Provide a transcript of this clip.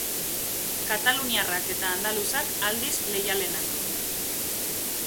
Kataluniarrak eta andaluzak aldiz leialenak.